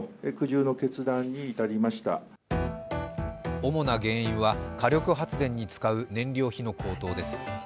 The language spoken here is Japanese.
主な原因は火力発電に使う燃料費の高騰です。